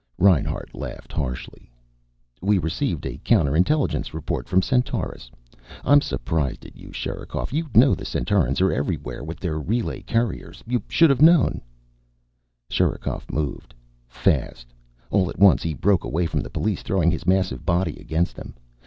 Reinhart laughed harshly. "We received a counter intelligence report from Centaurus. I'm surprised at you, Sherikov. You know the Centaurans are everywhere with their relay couriers. You should have known " Sherikov moved. Fast. All at once he broke away from the police, throwing his massive body against them.